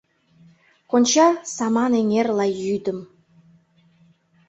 Конча саман-эҥер лай йӱдым.